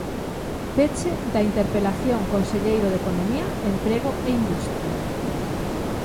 Peche da interpelación, conselleiro de Economía, Emprego e Industria.